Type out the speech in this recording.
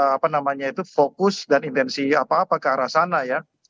apa namanya itu fokus dan intensi apa apa ke arah sana ya